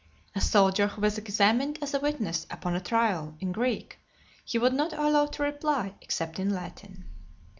A soldier (236) who was examined as a witness upon a trial, in Greek , he would not allow to reply, except in Latin.